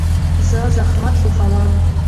زه زحمت خوښوم.